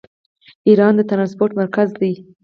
ایران د ټرانسپورټ مرکز دی.